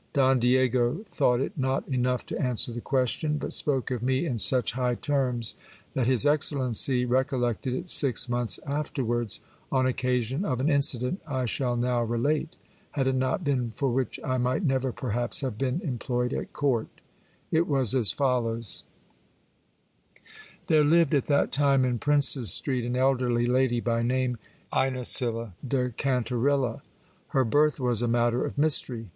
Don Diego thought it not enough to answer the question, but spoke of me in such high te: ms, that his excellency recollected it six months afterwards, on occasion of an incident I shall now relate, had it not been for which I might never, perhaps, have been employed at court It was as follows :— There lived at that time in Princes Street an elderly lady, by name Inesilla de Cantarilla. Her birth was a matter of mystery.